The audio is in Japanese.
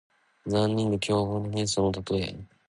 残忍で凶暴な人相のたとえ。